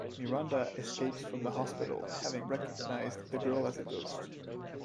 Miranda escapes from the hospital, having recognized the girl as a ghost.